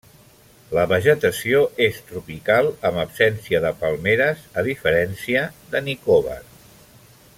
La vegetació és tropical amb absència de palmeres a diferència de Nicobar.